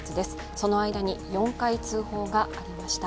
その間に４回通報がありました。